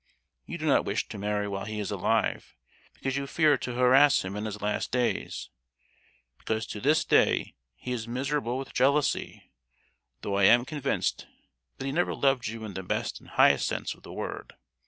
you do not wish to marry while he is alive, because you fear to harass him in his last days; because to this day he is miserable with jealousy, though I am convinced that he never loved you in the best and highest sense of the word!